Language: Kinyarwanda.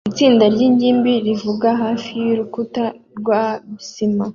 Itsinda ryingimbi rivuga hafi y'urukuta rwa sima